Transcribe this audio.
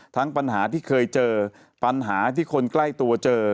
ปัญหาที่เคยเจอปัญหาที่คนใกล้ตัวเจอ